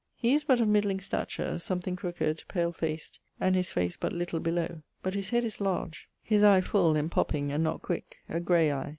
He is but of midling stature, something crooked, pale faced, and his face but little belowe, but his head is lardge; his eie full and popping, and not quick; a grey eie.